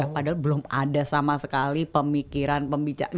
padahal belum ada sama sekali pemikiran pembicaraan